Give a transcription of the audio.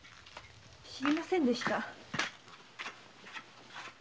知りませんでした。